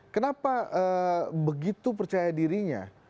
kenapa begitu percaya dirinya